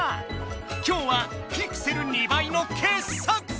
今日はピクセル２倍の傑作選！